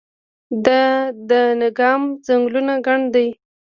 د دانګام ځنګلونه ګڼ دي